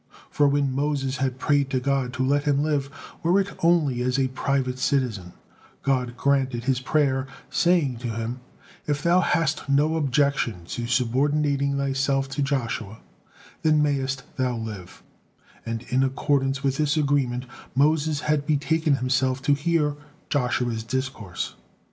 For when Moses had prayed to God to let him live, were it only as a private citizen, God granted his prayer, saying to him, "If thou hast no objection to subordinating thyself to Joshua, then mayest thou live," and in accordance with this agreement, Moses had betaken himself to hear Joshua's discourse.